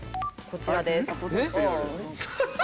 こちらです。